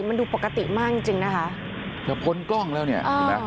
มันดูปกติมากจริงจริงนะคะจะพ้นกล้องแล้วเนี่ยเห็นไหม